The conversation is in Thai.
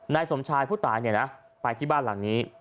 นายสมชายผู้ตายเนี่ยนะไปที่บ้านหลังนี้